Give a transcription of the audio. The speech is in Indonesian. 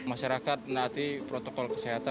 masyarakat nanti protokol kesehatan